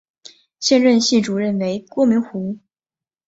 现任系主任为郭明湖。